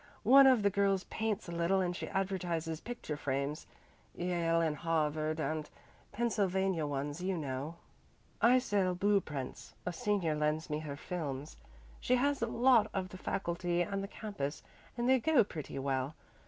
One of the girls paints a little and she advertises picture frames Yale and Harvard and Pennsylvania ones, you know. I sell blue prints. A senior lends me her films. She has a lot of the faculty and the campus, and they go pretty well.